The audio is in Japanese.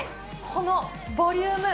このボリューム。